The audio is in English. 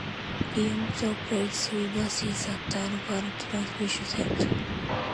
Rio Metro operates three buses at the Alvarado Transportation Center.